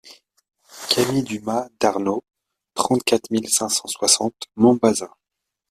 Cami du Mas d'Arnaud, trente-quatre mille cinq cent soixante Montbazin